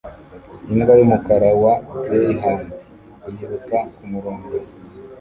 Imbwa yumukara wa greyhound yiruka kumurongo